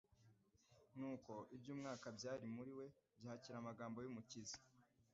Nuko iby'umwuka byari muri we byakira amagambo y'Umukiza.